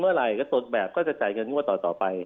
เมื่อไหร่ก็ต้นแบบก็จะจ่ายเงินงวดต่อไป